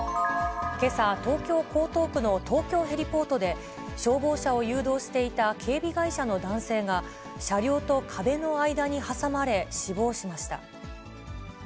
けさ、東京・江東区の東京ヘリポートで、消防車を誘導していた警備会社の男性が、車両と壁の間に挟まれ、死亡しました。